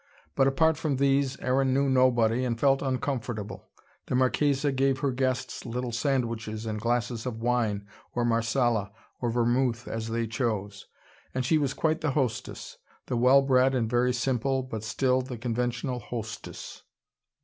But apart from these, Aaron knew nobody, and felt uncomfortable. The Marchesa gave her guests little sandwiches and glasses of wine or Marsala or vermouth, as they chose. And she was quite the hostess: the well bred and very simple, but still the conventional hostess.